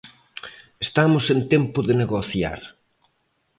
Estamos en tempo de negociar.